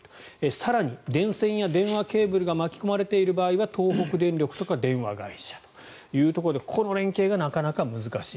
更に、電線や電話ケーブルが巻き込まれている場合は東北電力とか電話会社というところでこの連携がなかなか難しい。